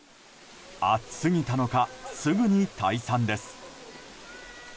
暑すぎたのかすぐに退散です。